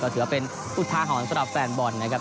ก็ถือว่านี่เป็นผู้ท้าฮรสแฟนบอลนะครับ